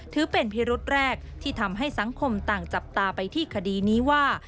ถือเป็นพิรุษแรกที่ทำให้สังคมต่างจับตาไปที่คดีนี้ว่า